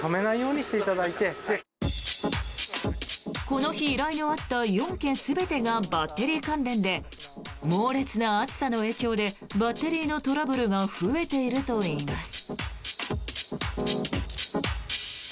この日依頼のあった４件全てがバッテリー関連で猛烈な暑さの影響でバッテリーのトラブルが増えているといいます。